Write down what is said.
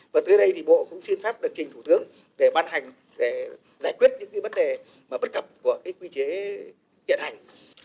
và tới đây thì bộ cũng xin phép được trình thủ tướng để ban hành để giải quyết những cái vấn đề mà bất cập của cái quy chế hiện hành